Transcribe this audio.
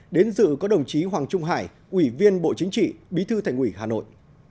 đến dự có đồng chí hoàng trung hải ủy viên bộ chính trị bí thư thành ủy hà nội